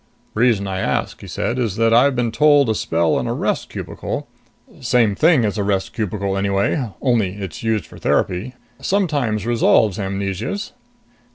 "Reason I asked," he said, "is that I've been told a spell in a rest cubicle same thing as a rest cubicle anyway, only it's used for therapy sometimes resolves amnesias."